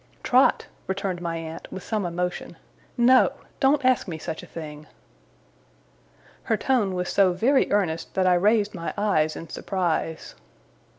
'Trot,' returned my aunt, with some emotion, 'no! Don't ask me such a thing.' Her tone was so very earnest that I raised my eyes in surprise.